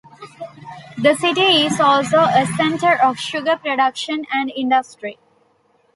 The city is also a centre of sugar production and industry.